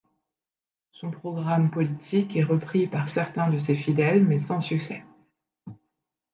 Son programme politique est repris par certains de ses fidèles, mais sans succès.